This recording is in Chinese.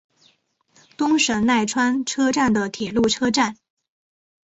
东神奈川车站的铁路车站。